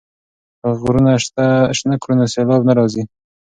که غرونه شنه کړو نو سیلاب نه راځي.